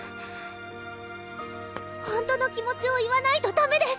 ほんとの気持ちを言わないとダメです！